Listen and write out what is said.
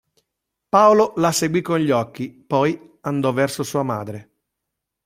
Paolo la seguì con gli occhi, poi andò verso sua madre.